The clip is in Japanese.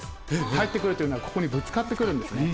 入ってくるというのは、ここにぶつかってくるんですね。